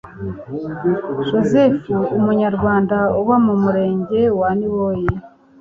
joseph umunyarwanda uba mu murenge wa niboyi